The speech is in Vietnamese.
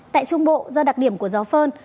tại trung bộ do đặc điểm của gió phơn